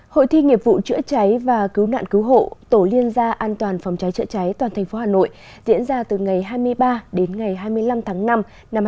hội thi nghiệp vụ chữa cháy và cứu nạn cứu hộ tổ liên gia an toàn phòng cháy chữa cháy toàn thành phố hà nội diễn ra từ ngày hai mươi ba đến ngày hai mươi năm tháng năm năm hai nghìn hai mươi bốn